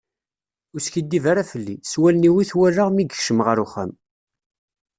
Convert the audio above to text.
Ur skiddib ara felli, s wallen-iw i t-walaɣ mi yekcem ɣer uxxam.